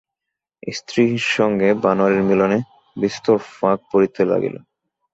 স্ত্রীর সঙ্গে বনোয়ারির মিলনে বিস্তর ফাঁক পড়িতে লাগিল।